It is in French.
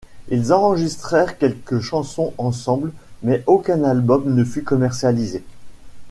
Ils enregistrèrent quelques chansons ensemble mais aucun album ne fut commercialisé.